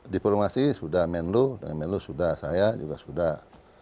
diplomasi sudah menlo dan menlo sudah saya juga sudah